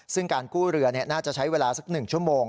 ซึ่งการกู้เรือน่าจะใช้เวลาสัก๑ชั่วโมง